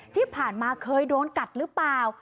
ที่ผ่านมาเคยโดนกัดหรือเปล่า